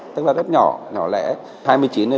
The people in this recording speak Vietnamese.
tức là rất nhỏ nhỏ lẻ